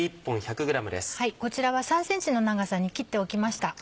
こちらは３ｃｍの長さに切っておきました。